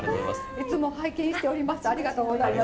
いつも拝見しております。